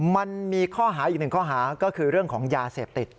มันมีอีก๑ข้อหาก็คือเรื่องของยาเสพติด